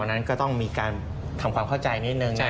นั้นก็ต้องมีการทำความเข้าใจนิดนึง